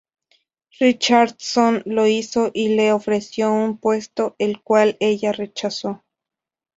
Richardson lo hizo, y le ofreció un puesto, el cual ella rechazó.